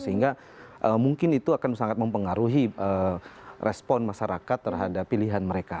sehingga mungkin itu akan sangat mempengaruhi respon masyarakat terhadap pilihan mereka